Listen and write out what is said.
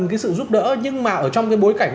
một cái sự giúp đỡ nhưng mà ở trong cái bối cảnh